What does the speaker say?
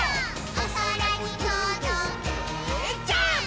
「おそらにとどけジャンプ！！」